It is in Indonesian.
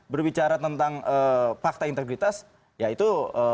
berbicara tentang fakta integritas yaitu